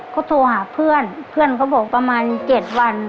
เขาโทรหาเพื่อนเพื่อนเขาบอกประมาณ๗วัน